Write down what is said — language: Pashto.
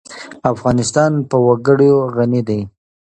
افغانستان په وګړي غني دی.